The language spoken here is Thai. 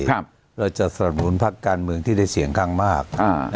ครับเราจะสรรค์กลุ่นภาคการเมืองที่ได้เฉียงตั้งมากเอ่อน